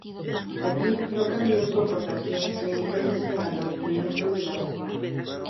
Allí no cambió su aportación, limitándose a los minutos de la basura.